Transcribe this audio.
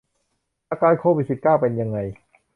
อาการโควิด สิบเก้า เป็นยังไง